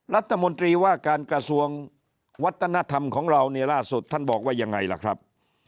รัฐมนตรีว่าการกระทรวงวัฒนธรรมของเราเนี่ยล่าสุดท่านบอกว่ายังไงล่ะครับ